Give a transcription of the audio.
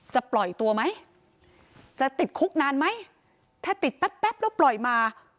จะปล่อยตัวไหมจะติดคุกนานไหมถ้าติดแป๊บแป๊บแล้วปล่อยมา